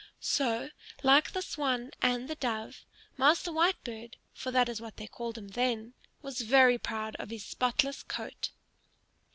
So, like the Swan and the Dove, Master Whitebird for that is what they called him then was very proud of his spotless coat.